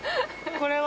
これは。